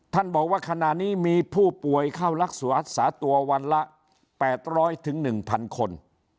ท่านบอกว่าขณะนี้มีผู้ป่วยเข้ารักษาตัววันละแปดร้อยถึงหนึ่งพันคน